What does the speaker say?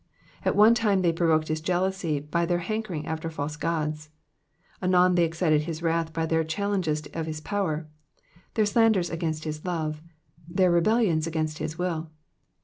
At one time they provoked his jealousy by their nankering after false gods, anon they excited his wrath by their challenges of his power, their slanders against his love, their rebellions against his will.